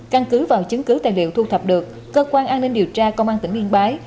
căn cứ vào chứng cứ tài liệu thu thập được cơ quan an ninh điều tra công an tỉnh yên bái